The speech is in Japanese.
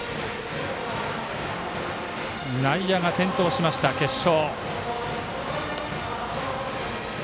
内野が点灯しました、決勝。